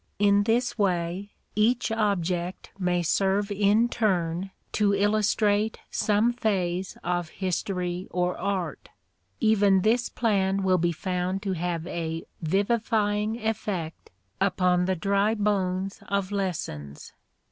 In this way, each object may serve in turn to illustrate some phase of history or art: even this plan will be found to have a vivifying effect upon the dry bones of "lessons."